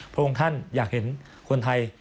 พระองค์ท่านอยากเห็นคนไทย